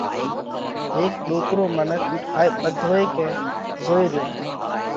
هيڪ ڏوڪرو منک هائي ٻڌوئي ڪئين زوئي ريو تو۔